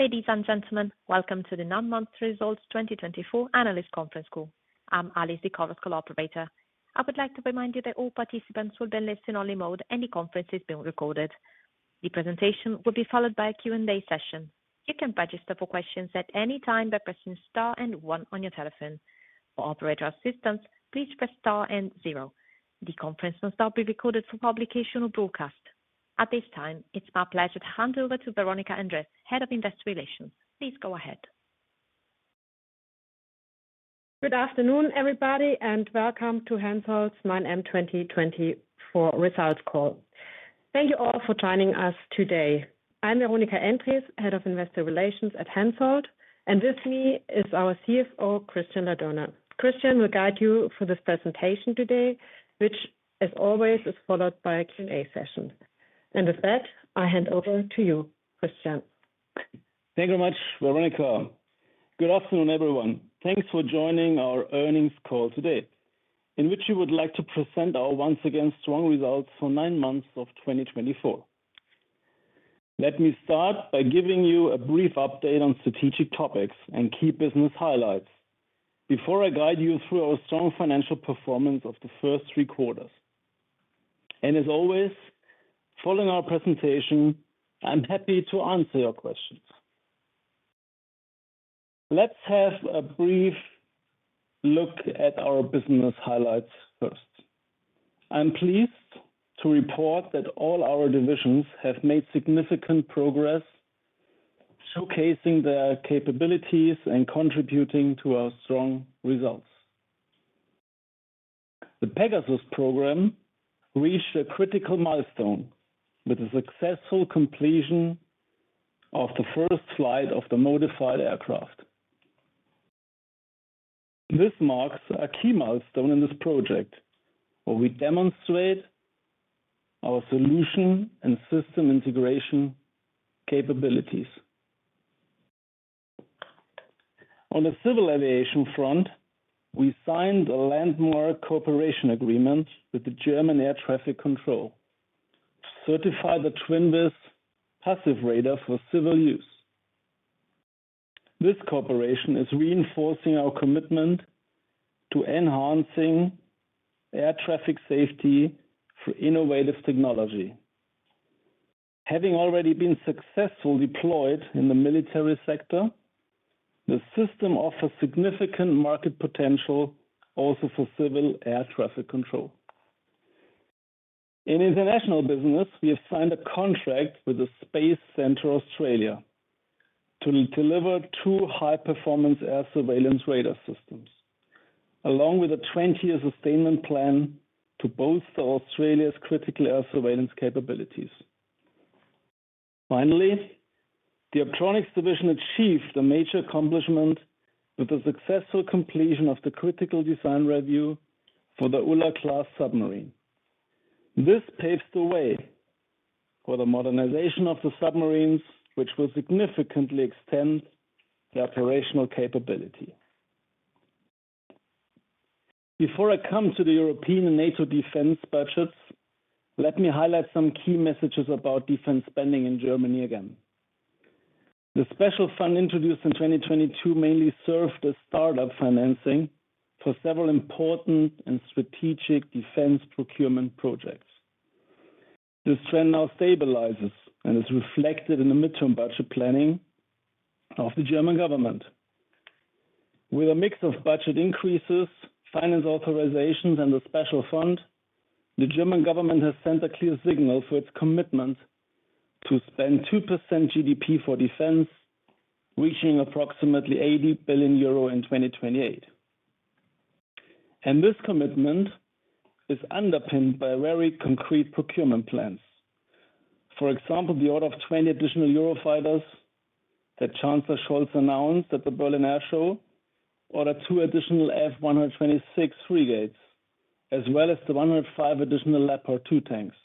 Ladies and gentlemen, welcome to the Nine-Month Results 2024 Analysts Conference Call. I'm Ali, the call operator. I would like to remind you that all participants will be in listen-only mode, and the conference is being recorded. The presentation will be followed by a Q&A session. You can register for questions at any time by pressing Star and 1 on your telephone. For operator assistance, please press Star and 0. The conference will not be recorded for publication or broadcast. At this time, it's my pleasure to hand over to Veronika Endres, Head of Investor Relations. Please go ahead. Good afternoon, everybody, and welcome to Hensoldt's 9M2024 Results Call. Thank you all for joining us today. I'm Veronika Endres, Head of Investor Relations at Hensoldt, and with me is our CFO, Christian Ladurner. Christian will guide you through this presentation today, which, as always, is followed by a Q&A session. And with that, I hand over to you, Christian. Thank you very much, Veronika. Good afternoon, everyone. Thanks for joining our earnings call today, in which we would like to present our once again strong results for nine months of 2024. Let me start by giving you a brief update on strategic topics and key business highlights before I guide you through our strong financial performance of the first three quarters. And as always, following our presentation, I'm happy to answer your questions. Let's have a brief look at our business highlights first. I'm pleased to report that all our divisions have made significant progress, showcasing their capabilities and contributing to our strong results. The Pegasus program reached a critical milestone with the successful completion of the first flight of the modified aircraft. This marks a key milestone in this project, where we demonstrate our solution and system integration capabilities. On the civil aviation front, we signed a landmark cooperation agreement with the German Air Traffic Control to certify the Twinvis passive radar for civil use. This cooperation is reinforcing our commitment to enhancing air traffic safety through innovative technology. Having already been successfully deployed in the military sector, the system offers significant market potential also for civil air traffic control. In international business, we have signed a contract with the Space Centre Australia to deliver two high-performance air surveillance radar systems, along with a 20-year sustainment plan to bolster Australia's critical air surveillance capabilities. Finally, the Optronics Division achieved a major accomplishment with the successful completion of the Critical Design Review for the Ula-class submarine. This paves the way for the modernization of the submarines, which will significantly extend the operational capability. Before I come to the European and NATO defense budgets, let me highlight some key messages about defense spending in Germany again. The Special Fund introduced in 2022 mainly served as startup financing for several important and strategic defense procurement projects. This trend now stabilizes and is reflected in the midterm budget planning of the German government. With a mix of budget increases, finance authorizations, and the Special Fund, the German government has sent a clear signal for its commitment to spend 2% GDP for defense, reaching approximately 80 billion euro in 2028, and this commitment is underpinned by very concrete procurement plans. For example, the order of 20 additional Eurofighters that Chancellor Scholz announced at the Berlin Air Show, or the two additional F-126 frigates, as well as the 105 additional Leopard 2 tanks.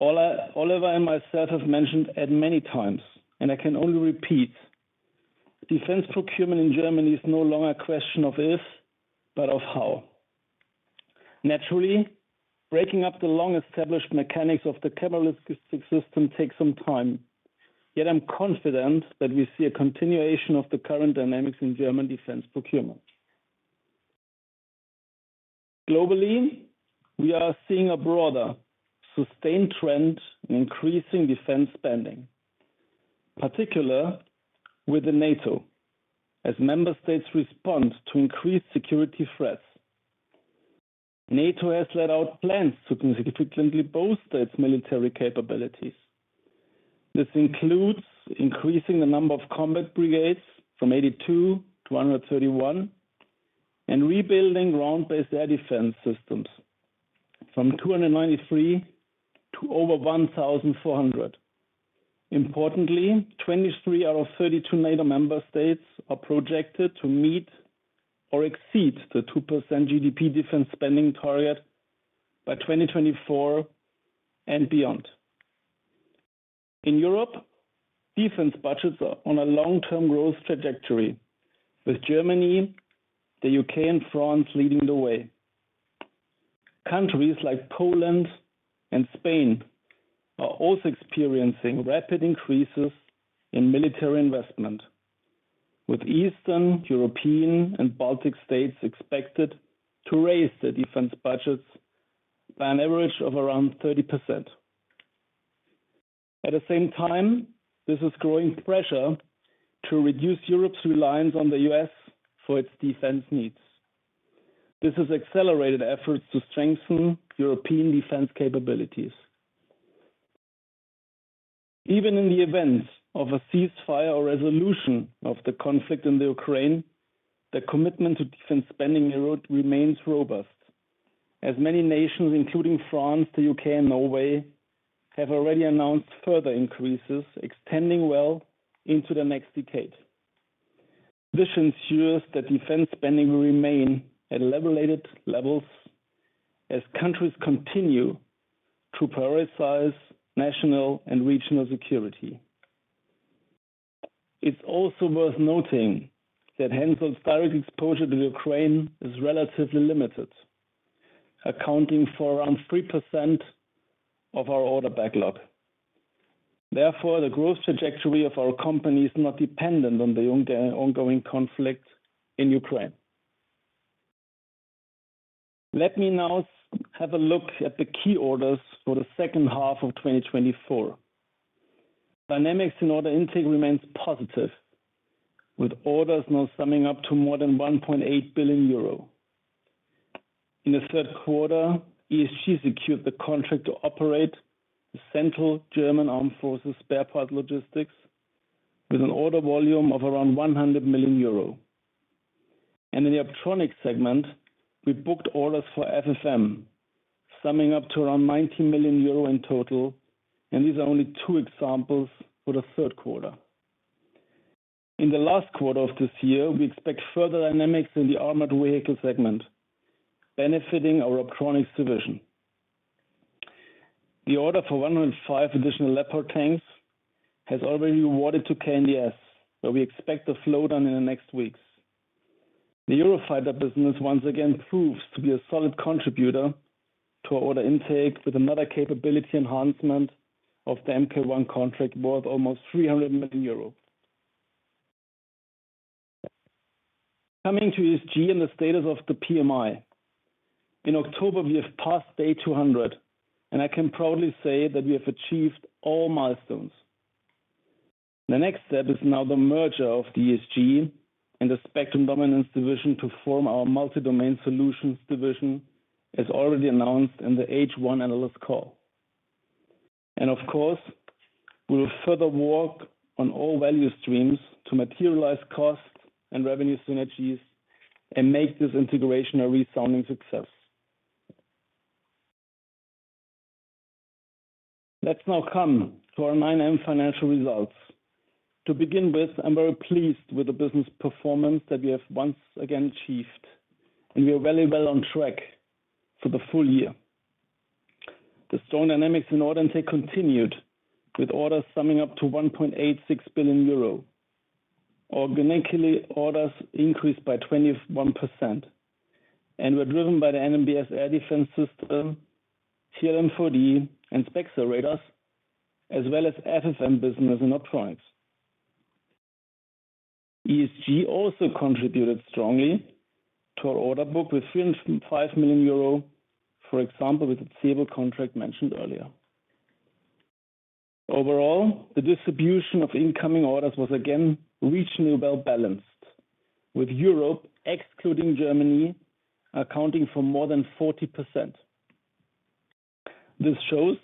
Oliver and myself have mentioned it many times, and I can only repeat: defense procurement in Germany is no longer a question of if, but of how. Naturally, breaking up the long-established mechanics of the cameralistic system takes some time. Yet I'm confident that we see a continuation of the current dynamics in German defense procurement. Globally, we are seeing a broader sustained trend in increasing defense spending, particularly with NATO, as member states respond to increased security threats. NATO has laid out plans to significantly bolster its military capabilities. This includes increasing the number of combat brigades from 82 to 131 and rebuilding ground-based air defense systems from 293 to over 1,400. Importantly, 23 out of 32 NATO member states are projected to meet or exceed the 2% GDP defense spending target by 2024 and beyond. In Europe, defense budgets are on a long-term growth trajectory, with Germany, the U.K., and France leading the way. Countries like Poland and Spain are also experiencing rapid increases in military investment, with Eastern European and Baltic states expected to raise their defense budgets by an average of around 30%. At the same time, this is growing pressure to reduce Europe's reliance on the U.S. for its defense needs. This has accelerated efforts to strengthen European defense capabilities. Even in the event of a ceasefire or resolution of the conflict in Ukraine, the commitment to defense spending remains robust, as many nations, including France, the U.K., and Norway, have already announced further increases extending well into the next decade. This ensures that defense spending will remain at elevated levels as countries continue to prioritize national and regional security. It's also worth noting that Hensoldt's direct exposure to Ukraine is relatively limited, accounting for around 3% of our order backlog. Therefore, the growth trajectory of our company is not dependent on the ongoing conflict in Ukraine. Let me now have a look at the key orders for the second half of 2024. Dynamics in order intake remains positive, with orders now summing up to more than 1.8 billion euro. In the third quarter, ESG secured the contract to operate the Central German Armed Forces Spare Parts Logistics with an order volume of around 100 million euro. In the Optronics segment, we booked orders for FFM, summing up to around 19 million euro in total, and these are only two examples for the third quarter. In the last quarter of this year, we expect further dynamics in the armored vehicle segment, benefiting our Optronics division. The order for 105 additional Leopard tanks has already been awarded to KNDS, where we expect a slowdown in the next weeks. The Eurofighter business once again proves to be a solid contributor to our order intake, with another capability enhancement of the MK1 contract worth almost 300 million euros. Coming to ESG and the status of the PMI, in October, we have passed day 200, and I can proudly say that we have achieved all milestones. The next step is now the merger of the ESG and the Spectrum Dominance Division to form our Multi-Domain Solutions Division, as already announced in the H1 Analyst Call. And of course, we will further work on all value streams to materialize cost and revenue synergies and make this integration a resounding success. Let's now come to our 9M financial results. To begin with, I'm very pleased with the business performance that we have once again achieved, and we are very well on track for the full year. The strong dynamics in order intake continued, with orders summing up to 1.86 billion euro. Organically, orders increased by 21%, and we're driven by the NMDS air defense system, TRML-4D, and SPEXER radars, as well as FFM business and Optronics. ESG also contributed strongly to our order book with 305 million euro, for example, with the ZEBEL contract mentioned earlier. Overall, the distribution of incoming orders was again regionally well balanced, with Europe, excluding Germany, accounting for more than 40%. This shows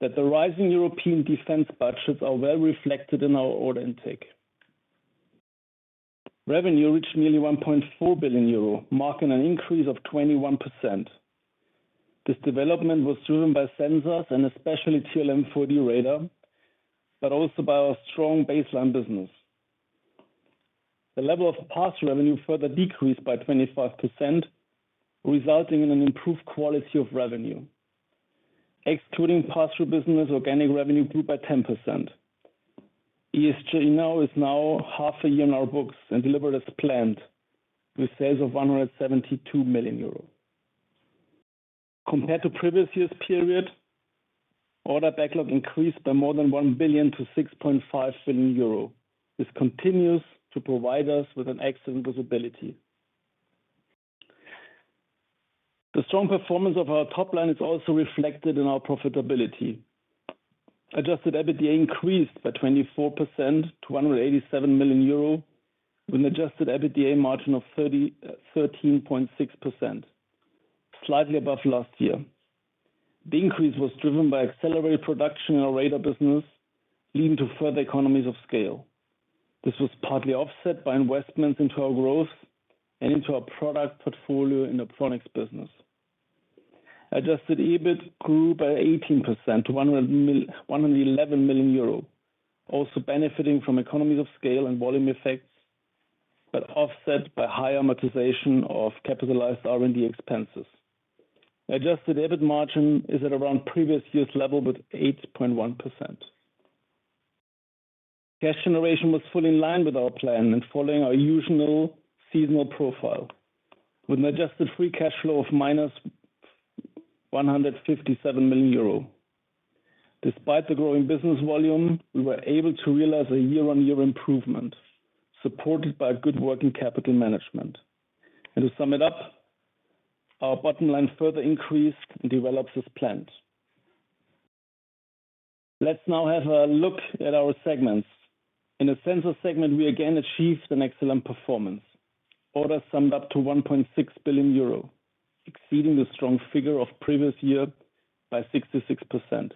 that the rising European defense budgets are well reflected in our order intake. Revenue reached nearly 1.4 billion euro, marking an increase of 21%. This development was driven by sensors and especially TRML-4D radar, but also by our strong baseline business. The level of pass-through revenue further decreased by 25%, resulting in an improved quality of revenue, excluding pass-through business organic revenue grew by 10%. ESG now is half a year in our books and delivered as planned, with sales of 172 million euros. Compared to previous year's period, order backlog increased by more than one billion to 6.5 billion euro. This continues to provide us with an excellent visibility. The strong performance of our top line is also reflected in our profitability. Adjusted EBITDA increased by 24% to 187 million euro, with an adjusted EBITDA margin of 13.6%, slightly above last year. The increase was driven by accelerated production in our radar business, leading to further economies of scale. This was partly offset by investments into our growth and into our product portfolio in the Optronics business. Adjusted EBIT grew by 18% to 111 million euros, also benefiting from economies of scale and volume effects, but offset by higher amortization of capitalized R&D expenses. Adjusted EBIT margin is at around previous year's level with 8.1%. Cash generation was fully in line with our plan and following our usual seasonal profile, with an adjusted free cash flow of minus 157 million euro. Despite the growing business volume, we were able to realize a year-on-year improvement supported by good working capital management. And to sum it up, our bottom line further increased and develops as planned. Let's now have a look at our segments. In the Sensors segment, we again achieved an excellent performance. Orders summed up to 1.6 billion euro, exceeding the strong figure of previous year by 66%.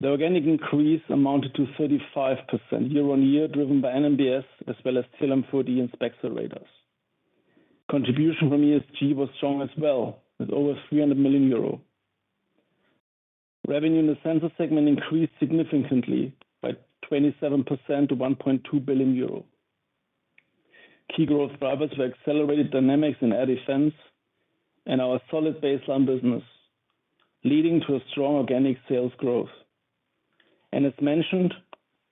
The organic increase amounted to 35% year-on-year, driven by NMDS as well as TRML-4D and SPEXER radars. Contribution from ESG was strong as well, with over 300 million euro. Revenue in the sensor segment increased significantly by 27% to 1.2 billion euro. Key growth drivers were accelerated dynamics in air defense and our solid baseline business, leading to a strong organic sales growth. As mentioned,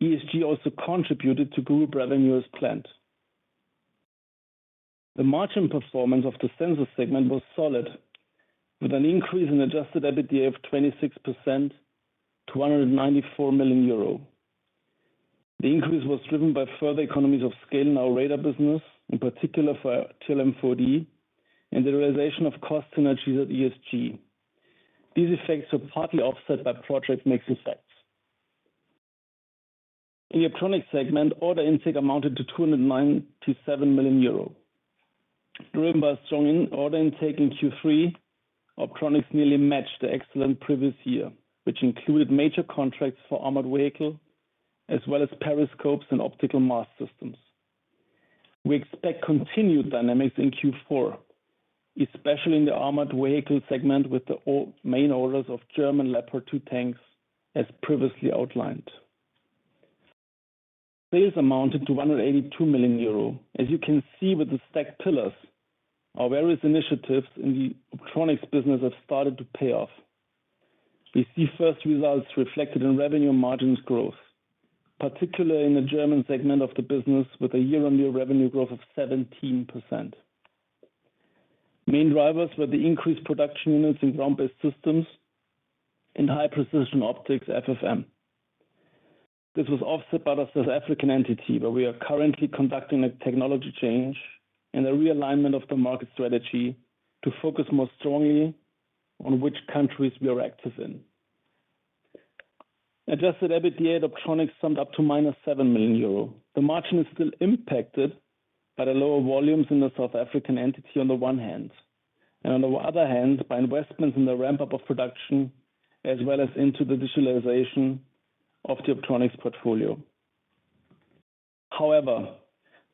ESG also contributed to group revenue as planned. The margin performance of the sensor segment was solid, with an increase in adjusted EBITDA of 26% to 194 million euro. The increase was driven by further economies of scale in our radar business, in particular for TRML-4D and the realization of cost synergies at ESG. These effects were partly offset by project mix effects. In the Optronics segment, order intake amounted to 297 million euro. Driven by a strong order intake in Q3, Optronics nearly matched the excellent previous year, which included major contracts for armored vehicles as well as periscopes and optical mass systems. We expect continued dynamics in Q4, especially in the armored vehicle segment with the main orders of German Leopard 2 tanks, as previously outlined. Sales amounted to 182 million euro. As you can see with the stacked pillars, our various initiatives in the Optronics business have started to pay off. We see first results reflected in revenue and margins growth, particularly in the German segment of the business, with a year-on-year revenue growth of 17%. Main drivers were the increased production units in ground-based systems and high-precision optics, FFM. This was offset by the South African entity, where we are currently conducting a technology change and a realignment of the market strategy to focus more strongly on which countries we are active in. Adjusted EBITDA at Optronics summed up to minus 7 million euro. The margin is still impacted by the lower volumes in the South African entity on the one hand, and on the other hand, by investments in the ramp-up of production as well as into the digitalization of the Optronics portfolio. However,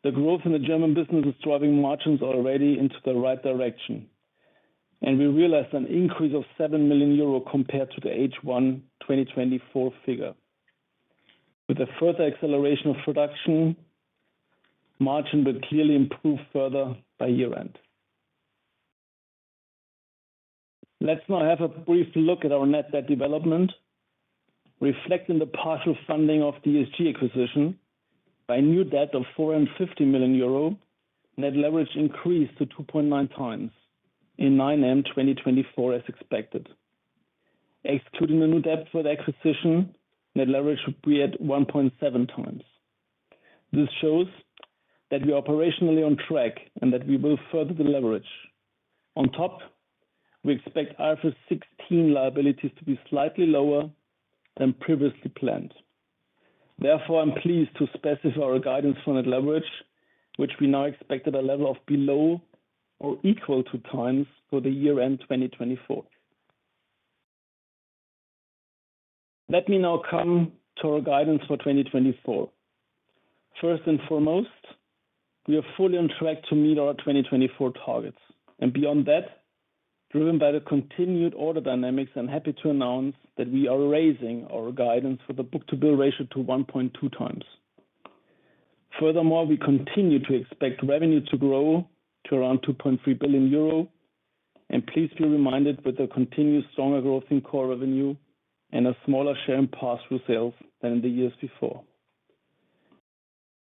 the growth in the German business is driving margins already into the right direction, and we realized an increase of 7 million euro compared to the H1 2024 figure. With a further acceleration of production, margin will clearly improve further by year-end. Let's now have a brief look at our net debt development. Reflecting the partial funding of the ESG acquisition by a new debt of 450 million euro, net leverage increased to 2.9 times in 9M 2024, as expected. Excluding the new debt for the acquisition, net leverage would be at 1.7 times. This shows that we are operationally on track and that we will further the leverage. On top, we expect IFRS 16 liabilities to be slightly lower than previously planned. Therefore, I'm pleased to specify our guidance for net leverage, which we now expect at a level of below or equal to 2.9 times for the year-end 2024. Let me now come to our guidance for 2024. First and foremost, we are fully on track to meet our 2024 targets. Beyond that, driven by the continued order dynamics, I'm happy to announce that we are raising our guidance for the book-to-bill ratio to 1.2 times. Furthermore, we continue to expect revenue to grow to around 2.3 billion euro, and please be reminded with the continued stronger growth in core revenue and a smaller share in pass-through sales than in the years before.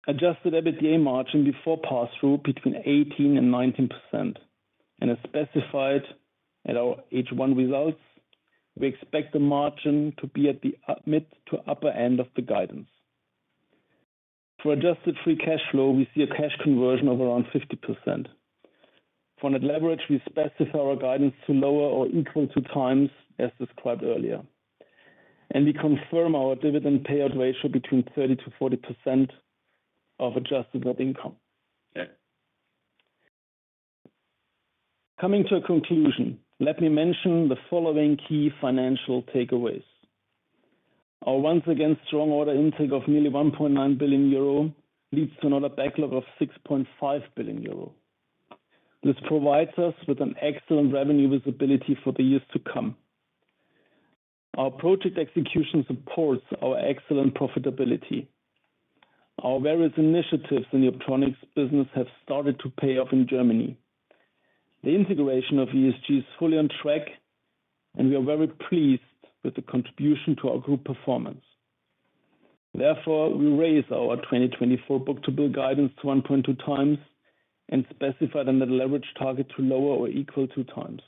Adjusted EBITDA margin before pass-through between 18% and 19%, and as specified at our H1 results, we expect the margin to be at the mid to upper end of the guidance. For adjusted free cash flow, we see a cash conversion of around 50%. For net leverage, we specify our guidance to lower or equal to times as described earlier, and we confirm our dividend payout ratio between 30% to 40% of adjusted net income. Coming to a conclusion, let me mention the following key financial takeaways. Our once again strong order intake of nearly 1.9 billion euro leads to an order backlog of 6.5 billion euro. This provides us with an excellent revenue visibility for the years to come. Our project execution supports our excellent profitability. Our various initiatives in the Optronics business have started to pay off in Germany. The integration of ESG is fully on track, and we are very pleased with the contribution to our group performance. Therefore, we raise our 2024 book-to-build guidance to 1.2 times and specify the net leverage target to lower or equal to times,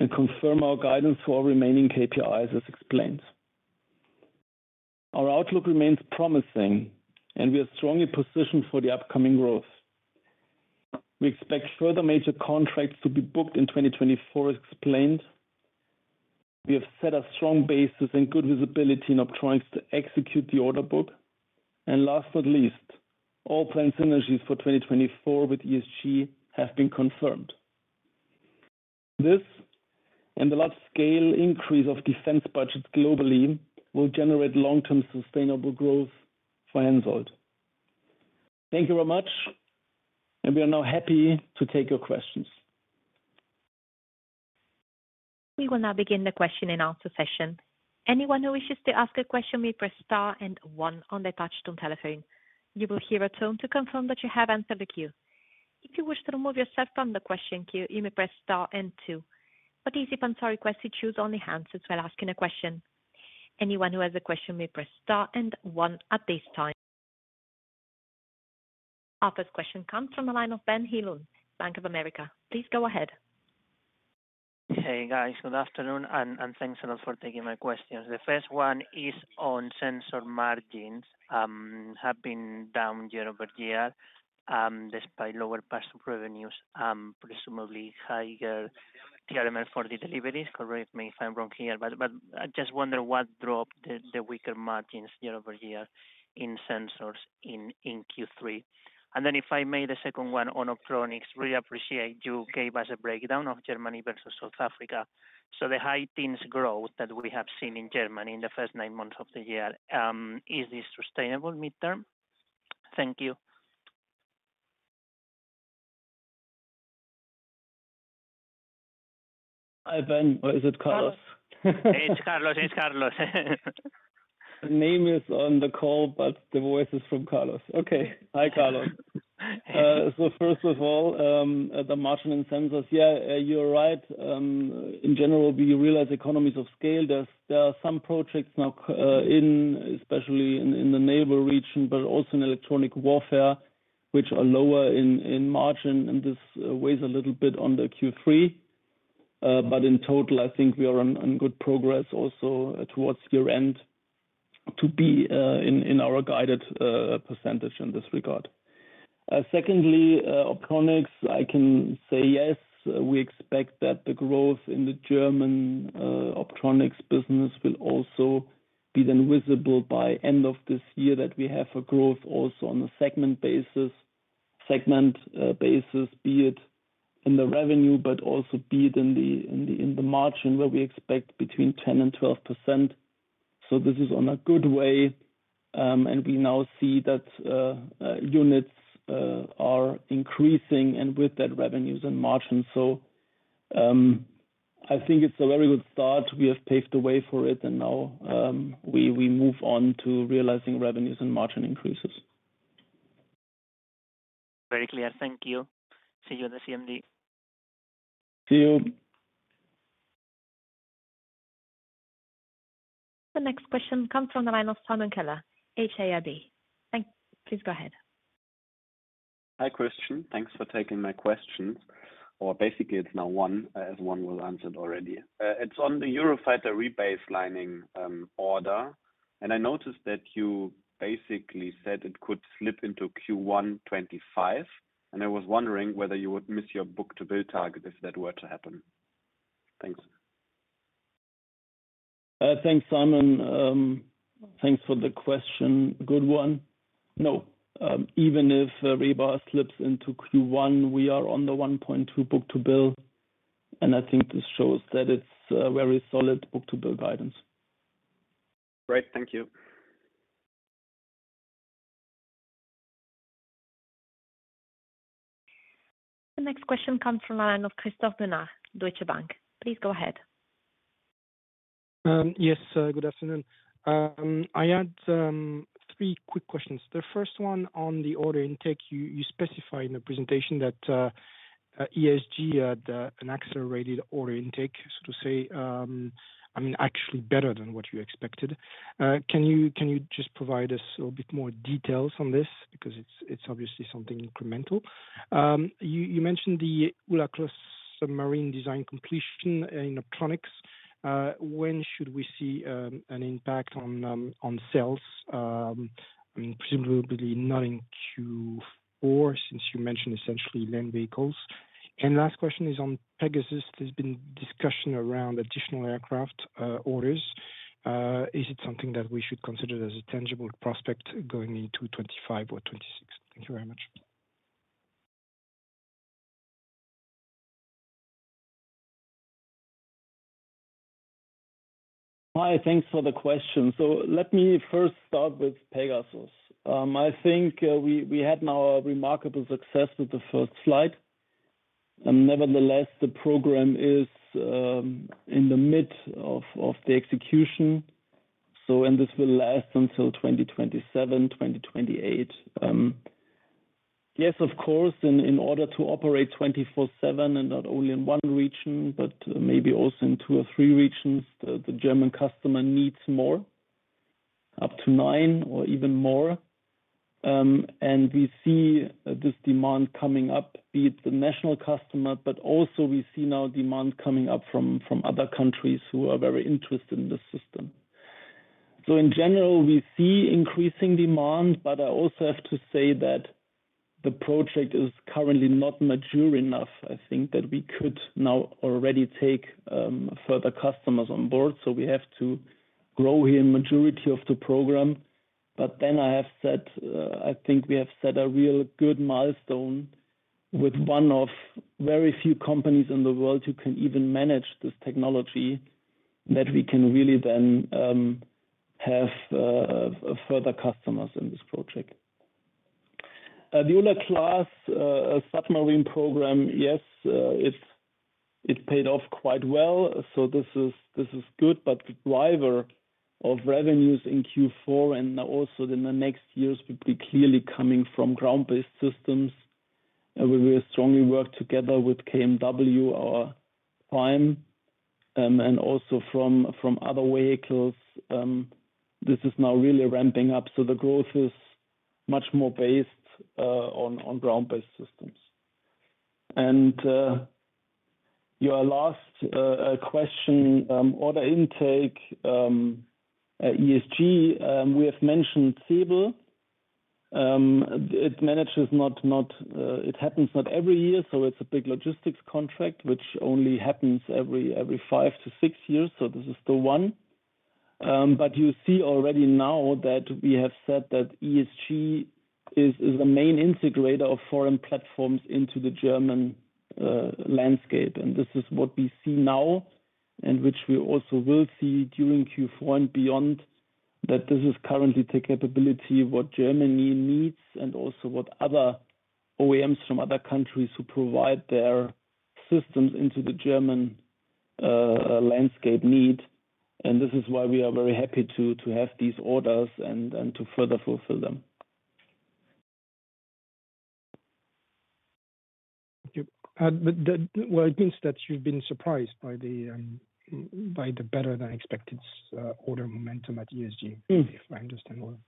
and confirm our guidance for our remaining KPIs, as explained. Our outlook remains promising, and we are strongly positioned for the upcoming growth. We expect further major contracts to be booked in 2024, as explained. We have set a strong basis and good visibility in Optronics to execute the order book. Last but not least, all planned synergies for 2024 with ESG have been confirmed. This and the large-scale increase of defense budgets globally will generate long-term sustainable growth for Hensoldt. Thank you very much, and we are now happy to take your questions. We will now begin the question-and-answer session. Anyone who wishes to ask a question may press Star and 1 on their touch-tone telephone. You will hear a tone to confirm that you have entered the queue. If you wish to remove yourself from the question queue, you may press Star and 2. For these events, our request is to choose only one question while asking a question. Anyone who has a question may press Star and 1 at this time. Our first question comes from the line of Ben Heelan, Bank of America. Please go ahead. Hey, guys. Good afternoon, and thanks a lot for taking my questions. The first one is on sensor margins. Have been down year-over-year, despite lower pass-through revenues, presumably higher TRML-4D deliveries. Correct me if I'm wrong here, but I just wonder what drove the weaker margins year-over-year in sensors in Q3. Then if I may, the second one on Optronics. Really appreciate you gave us a breakdown of Germany versus South Africa. So the high-teens growth that we have seen in Germany in the first nine months of the year, is this sustainable midterm? Thank you. Hi, Ben. Is it Carlos? It's Carlos. The name is on the call, but the voice is from Carlos. Okay. Hi, Carlos. So first of all, the margin in sensors, yeah, you're right. In general, we realize economies of scale. There are some projects now in, especially in the naval region, but also in electronic warfare, which are lower in margin, and this weighs a little bit on the Q3. But in total, I think we are on good progress also towards year-end to be in our guided percentage in this regard. Secondly, Optronics, I can say yes, we expect that the growth in the German Optronics business will also be then visible by end of this year that we have a growth also on a segment basis, be it in the revenue, but also be it in the margin where we expect between 10% and 12%. So this is on a good way, and we now see that units are increasing and with that revenues and margins. So I think it's a very good start. We have paved the way for it, and now we move on to realizing revenues and margin increases. Very clear. Thank you. See you in the CMD. See you. The next question comes from the line of Simon Keller, Hauck Aufhäuser Lampe. Please go ahead. Hi Christian. Thanks for taking my questions. Or basically, it's now one, as one was answered already. It's on the Eurofighter rebaselining order, and I noticed that you basically said it could slip into Q1 2025, and I was wondering whether you would miss your book-to-build target if that were to happen. Thanks. Thanks, Simon. Thanks for the question. Good one. No. Even if Reba slips into Q1 2025, we are on the 1.2 book-to-build, and I think this shows that it's a very solid book-to-build guidance. Great. Thank you. The next question comes from the line of Christoph Müller, Deutsche Bank. Please go ahead. Yes, good afternoon. I had three quick questions. The first one on the order intake, you specified in the presentation that ESG had an accelerated order intake, so to say. I mean, actually better than what you expected. Can you just provide us a little bit more details on this? Because it's obviously something incremental. You mentioned the Ula-class submarine design completion in Optronics. When should we see an impact on sales? Presumably not in Q4, since you mentioned essentially land vehicles. And last question is on Pegasus. There's been discussion around additional aircraft orders. Is it something that we should consider as a tangible prospect going into 25 or 26? Thank you very much. Hi. Thanks for the question. So let me first start with Pegasus. I think we had now a remarkable success with the first flight. Nevertheless, the program is in the midst of the execution, and this will last until 2027, 2028. Yes, of course, in order to operate 24/7 and not only in one region, but maybe also in two or three regions, the German customer needs more, up to nine or even more. And we see this demand coming up, be it the national customer, but also we see now demand coming up from other countries who are very interested in this system. So in general, we see increasing demand, but I also have to say that the project is currently not mature enough. I think that we could now already take further customers on board, so we have to grow here in majority of the program. But then I have said I think we have set a real good milestone with one of very few companies in the world who can even manage this technology that we can really then have further customers in this project. The Ula-class submarine program, yes, it paid off quite well. So this is good, but the driver of revenues in Q4 and also in the next years will be clearly coming from ground-based systems. We will strongly work together with KMW, our prime, and also from other vehicles. This is now really ramping up, so the growth is much more based on ground-based systems. And your last question, order intake, ESG, we have mentioned ZEBEL. It happens not every year, so it's a big logistics contract, which only happens every five to six years, so this is the one. But you see already now that we have said that ESG is the main integrator of foreign platforms into the German landscape, and this is what we see now and which we also will see during Q4 and beyond, that this is currently the capability of what Germany needs and also what other OEMs from other countries who provide their systems into the German landscape need. And this is why we are very happy to have these orders and to further fulfill them. Thank you. Well, it means that you've been surprised by the better-than-expected order momentum at ESG, if I understand well.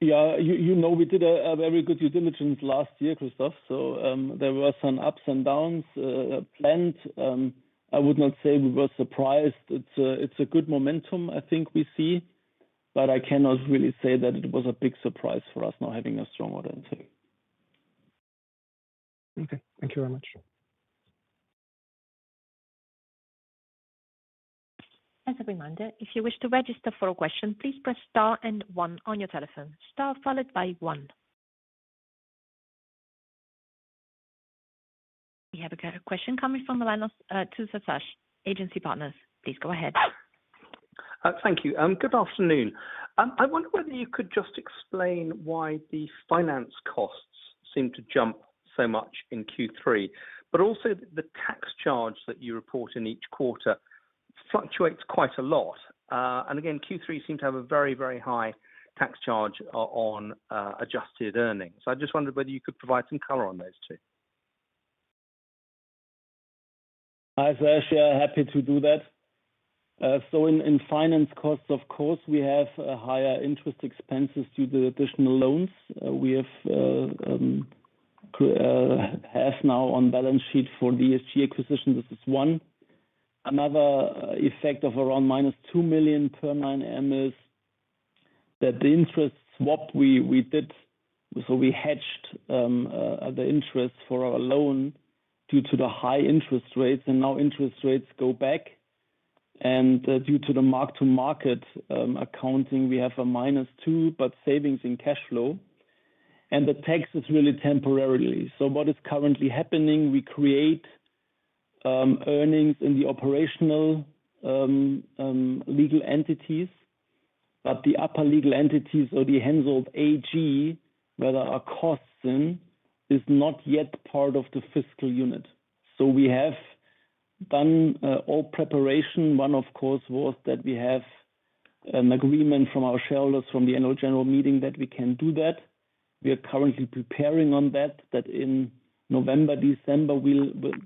Yeah. We did a very good due diligence last year, Christoph, so there were some ups and downs planned. I would not say we were surprised. It's a good momentum, I think we see, but I cannot really say that it was a big surprise for us now having a strong order intake. Okay. Thank you very much. As a reminder, if you wish to register for a question, please press Star and 1 on your telephone. Star followed by 1. We have a question coming from the line of Sash Tusa, Agency Partners. Please go ahead. Thank you. Good afternoon. I wonder whether you could just explain why the finance costs seem to jump so much in Q3, but also the tax charge that you report in each quarter fluctuates quite a lot. And again, Q3 seemed to have a very, very high tax charge on adjusted earnings. I just wondered whether you could provide some color on those two. Hi, Sash Tusa. Yeah, happy to do that. So in finance costs, of course, we have higher interest expenses due to the additional loans we have now on balance sheet for the ESG acquisition. This is one. Another effect of around -2 million per 9M is that the interest swap we did, so we hedged the interest for our loan due to the high interest rates, and now interest rates go back. And due to the mark-to-market accounting, we have a -2, but savings in cash flow. And the tax is really temporarily. So what is currently happening? We create earnings in the operational legal entities, but the upper legal entities, so the Hensoldt AG, where there are costs in, is not yet part of the fiscal unit. So we have done all preparation. One, of course, was that we have an agreement from our shareholders from the annual general meeting that we can do that. We are currently preparing on that, that in November, December,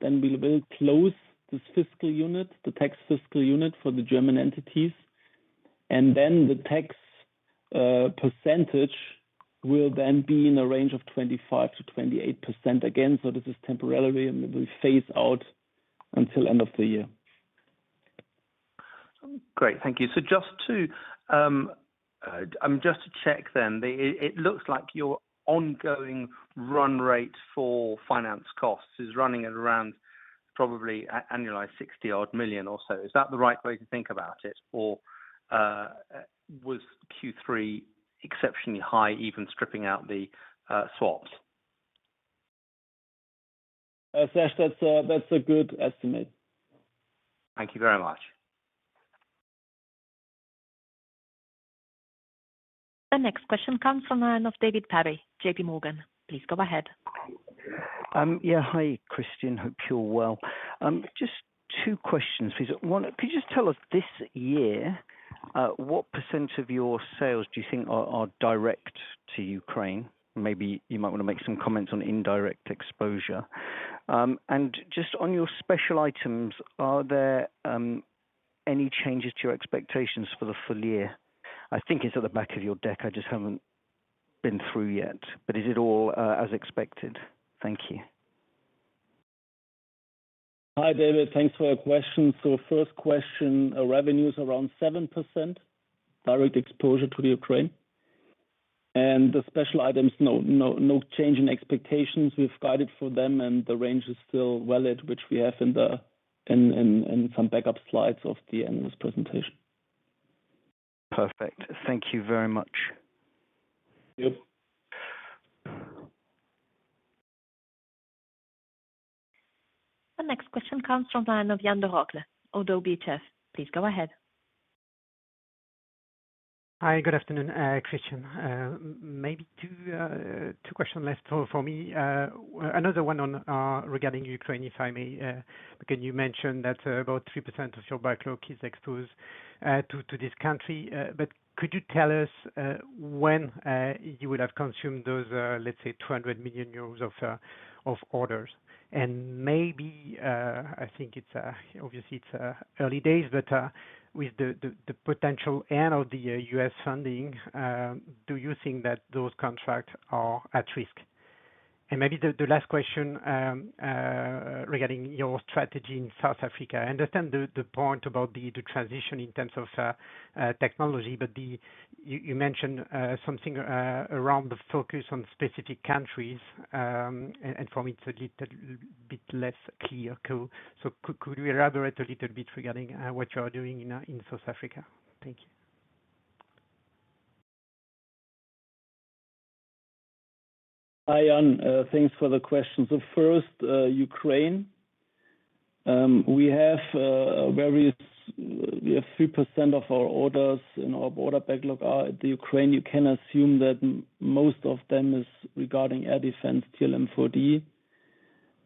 then we will close this fiscal unit, the tax fiscal unit for the German entities. And then the tax percentage will then be in a range of 25%-28% again. So this is temporary, and we will phase out until the end of the year. Great. Thank you. Just to check then, it looks like your ongoing run rate for finance costs is running at around probably annualized 60-odd million or so. Is that the right way to think about it? Or was Q3 exceptionally high, even stripping out the swaps? Sash, that's a good estimate. Thank you very much. The next question comes from the line of David Perry, J.P. Morgan. Please go ahead. Yeah. Hi, Christian. Hope you're well. Just two questions, please. One, could you just tell us this year, what % of your sales do you think are direct to Ukraine? Maybe you might want to make some comments on indirect exposure. And just on your special items, are there any changes to your expectations for the full year? I think it's at the back of your deck. I just haven't been through yet. But is it all as expected? Thank you. Hi, David. Thanks for your question. So first question, revenues around 7%, direct exposure to the Ukraine. And the special items, no change in expectations. We've guided for them, and the range is still valid, which we have in some backup slides at the end of this presentation. Perfect. Thank you very much. Thank you. The next question comes from the line of Yan Derocles, Oddo BHF. Please go ahead. Hi, good afternoon, Christian. Maybe two questions left for me. Another one regarding Ukraine, if I may, because you mentioned that about 3% of your backlog is exposed to this country. But could you tell us when you would have consumed those, let's say, 200 million euros of orders? And maybe, I think it's obviously early days, but with the potential end of the U.S. funding, do you think that those contracts are at risk? And maybe the last question regarding your strategy in South Africa. I understand the point about the transition in terms of technology, but you mentioned something around the focus on specific countries, and for me, it's a little bit less clear. So could you elaborate a little bit regarding what you are doing in South Africa? Thank you. Hi, Yan. Thanks for the questions. So first, Ukraine. We have 3% of our orders in our order backlog in Ukraine. You can assume that most of them is regarding air defense, TRML-4D.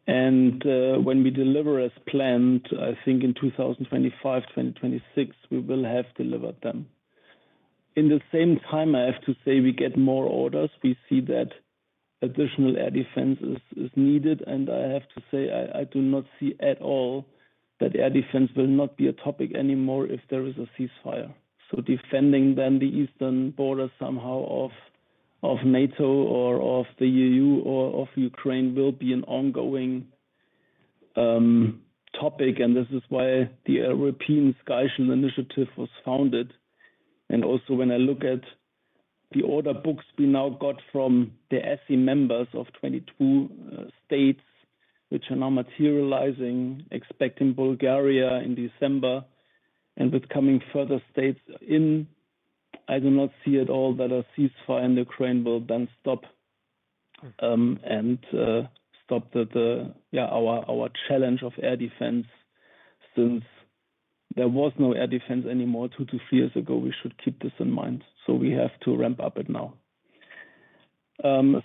And when we deliver as planned, I think in 2025, 2026, we will have delivered them. At the same time, I have to say, we get more orders. We see that additional air defense is needed. And I have to say, I do not see at all that air defense will not be a topic anymore if there is a ceasefire. So defending then the eastern border somehow of NATO or of the EU or of Ukraine will be an ongoing topic. And this is why the European Sky Shield Initiative was founded. And also, when I look at the order books we now got from the ESSI members of 22 states, which are now materializing, expecting Bulgaria in December, and with coming further states in, I do not see at all that a ceasefire in Ukraine will then stop and stop our challenge of air defense. Since there was no air defense anymore two to three years ago, we should keep this in mind. So we have to ramp up it now.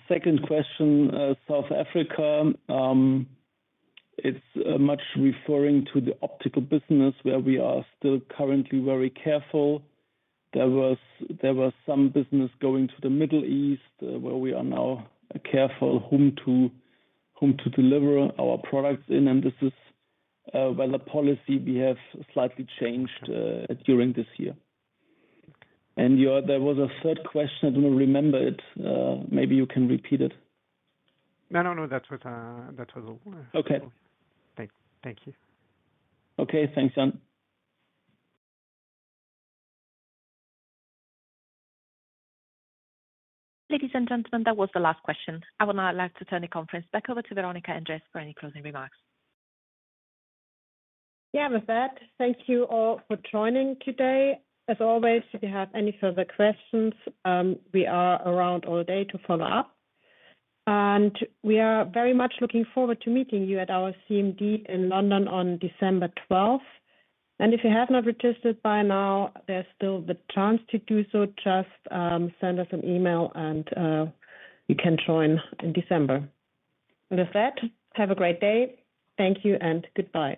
Second question, South Africa. It is much referring to the Optronics business, where we are still currently very careful. There was some business going to the Middle East, where we are now careful whom to deliver our products in. And this is where the policy we have slightly changed during this year. And there was a third question. I do not remember it. Maybe you can repeat it. No, no, no. That was all. Okay. Thank you. Okay. Thanks, Jan. Ladies and gentlemen, that was the last question. I would now like to turn the conference back over to Veronika Endres for any closing remarks. Yeah, with that, thank you all for joining today. As always, if you have any further questions, we are around all day to follow up. And we are very much looking forward to meeting you at our CMD in London on December 12th. And if you have not registered by now, there's still the chance to do so. Just send us an email, and you can join in December. And with that, have a great day. Thank you and goodbye.